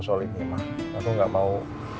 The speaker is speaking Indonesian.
soal ini ma aku gak mau